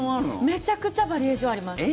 めちゃくちゃバリエーションあります。